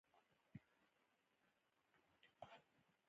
دوی په یوه ږغ وویل.